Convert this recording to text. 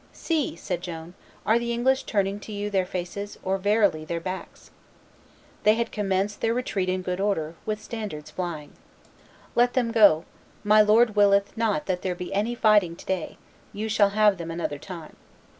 "See!" said Joan; "are the English turning to you their faces, or verily their backs?" They had commenced their retreat in good order, with standards flying. "Let them go: my Lord willeth not that there be any fighting to day; you shall have them another time."